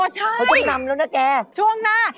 อ๋อใช่ช่อนำแล้วนะแกช่วงหน้า